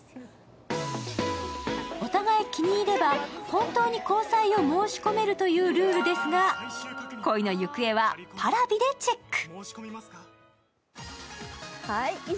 お互い気に入れば本当に交際を申し込めるというルールですが恋の行方はＰａｒａｖｉでチェック。